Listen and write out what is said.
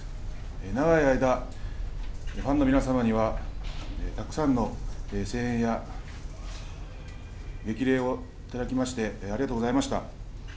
長い間ファンの皆様にはたくさんの声援や激励をいただきましてありがとうございました。